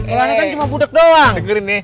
kalau ini kan cuma budak doang